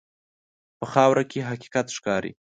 په خاوره کې حقیقت ښکاري.